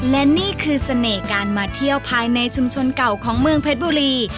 และนี่คือเสน่ห์การมาเที่ยวภายในชุมชนเก่าของเมืองเพชรบุรี